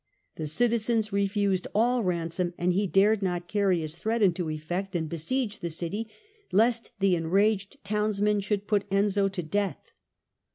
The citizens refused all ransom, and he dare not carry his threat into effect and besiege the city lest the enraged townsmen should put Enzio to death.